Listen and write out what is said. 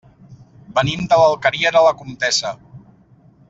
Venim de l'Alqueria de la Comtessa.